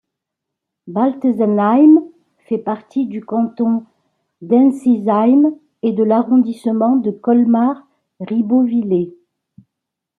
Baltzenheim fait partie du canton d'Ensisheim et de l'arrondissement de Colmar-Ribeauvillé.